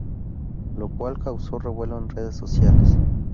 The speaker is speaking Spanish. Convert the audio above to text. Lo cual causó revuelo en redes sociales.